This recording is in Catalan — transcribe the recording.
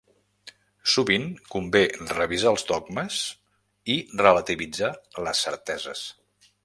Sovint convé revisar els dogmes i relativitzar les certeses.